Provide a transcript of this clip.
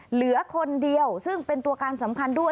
เหลือคนเดียวซึ่งเป็นตัวการสำคัญด้วย